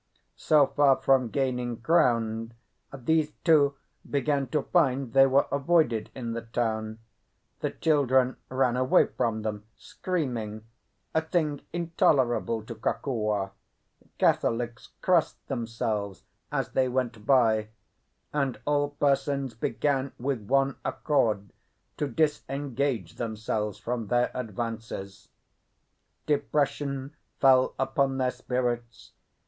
So far from gaining ground, these two began to find they were avoided in the town; the children ran away from them screaming, a thing intolerable to Kokua; Catholics crossed themselves as they went by; and all persons began with one accord to disengage themselves from their advances. Depression fell upon their spirits.